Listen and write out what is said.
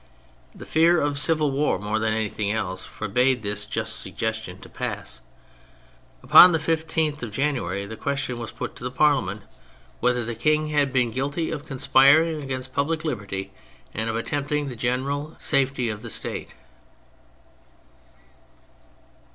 The fear of civil war more than anything else forbade this just suggestion to pass. Upon the 15th of January the question was put to the Parliament, " whether the King had been 124 THE FRENCH REVOLUTION guilty of conspiring against public liberty and of attempting the general safety of the State."